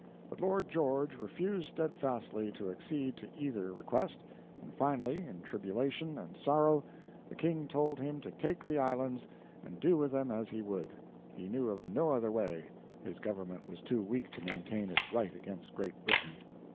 But Lord George refused steadfastly to accede to either request, and finally, in tribulation and sorrow, the King told him to take the islands and do with them as he would; he knew of no other way—his Government was too weak to maintain its rights against Great Britain.